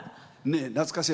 懐かしい。